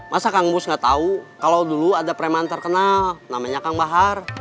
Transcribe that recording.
masa kang bus nggak tahu kalau dulu ada preman terkenal namanya kang bahar